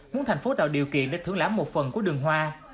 muốn thành phố tạo điều kiện để thưởng lãm một phần của đường hoa